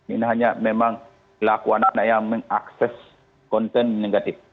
ini hanya memang laku anak anak yang mengakses konten negatif